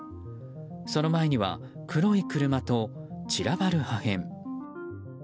その前には黒い車と散らばる破片。